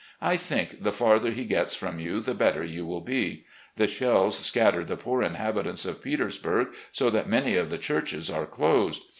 I think the farther he gets from you the better you will be. The shells scattered the poor inhabitants of Petersburg so that many of the churches are closed.